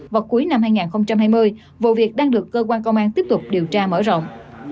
vào cuối năm hai nghìn hai mươi vụ việc đang được cơ quan công an tiếp tục điều tra mở rộng